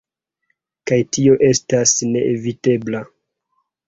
Kaj tio estas neevitebla.